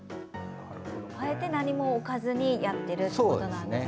あえて何も置かずにやってるってことなんですね。